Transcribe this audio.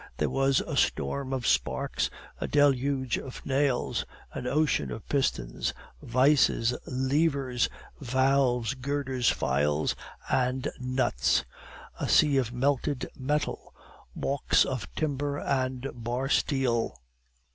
There was a storm of sparks, a deluge of nails, an ocean of pistons, vices, levers, valves, girders, files, and nuts; a sea of melted metal, baulks of timber and bar steel.